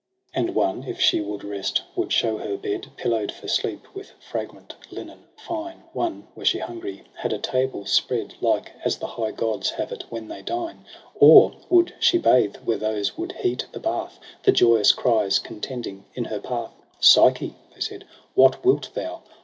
II And one, if she would rest, would show her bed, Pillow'd for sleep, with fragrant Knen fine j One, were she hungry, had a table spread Like as the high gods have it when they dine : Or, would she bathe, were those would heat the bath j The joyous cries contending in her path, i^SgcJc, they said, miat tuilt tjou